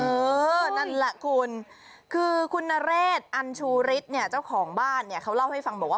เออนั่นแหละคุณคือคุณนเรศอัญชูฤทธิ์เนี่ยเจ้าของบ้านเนี่ยเขาเล่าให้ฟังบอกว่า